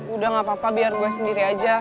udah gapapa biar gue sendiri aja